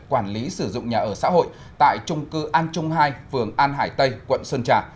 quản lý sử dụng nhà ở xã hội tại trung cư an trung hai phường an hải tây quận sơn trà